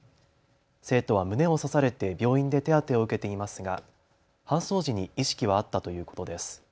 生徒は胸を刺されて病院で手当てを受けていますが搬送時に意識はあったということです。